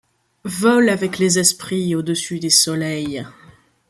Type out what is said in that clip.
Vole avec les esprits au-dessus des soleils